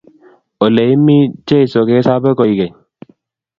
Ole imi, Jesu kesabe koikeny